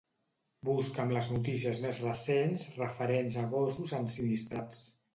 Busca'm les notícies més recents referents a gossos ensinistrats.